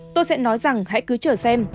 tôi sẽ nói rằng hãy cứ chờ xem